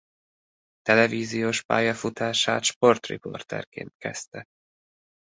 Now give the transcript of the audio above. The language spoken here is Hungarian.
Televíziós pályafutását sportriporterként kezdte.